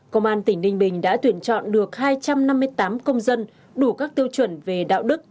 công an tỉnh ninh bình đã tuyển chọn được hai trăm năm mươi tám công dân đủ các tiêu chuẩn về đạo đức